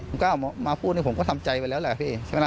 ผมก็ออกมาพูดผมก็ทำใจไปแล้วแหละ